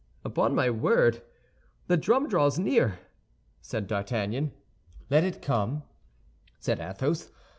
"Upon my word, the drum draws near," said D'Artagnan. "Let it come," said Athos.